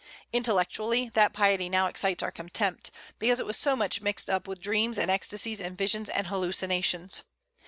Intellectually, that piety now excites our contempt, because it was so much mixed up with dreams and ecstasies and visions and hallucinations.